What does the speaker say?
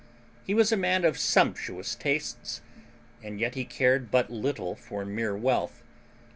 He was a man of sumptuous tastes, and yet he cared but little for mere wealth.